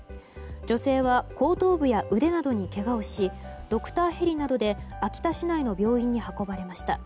女性は後頭部や腕などにけがをしドクターヘリなどで秋田市内の病院に運ばれました。